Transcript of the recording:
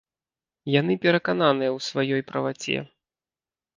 Яны перакананыя ў сваёй праваце.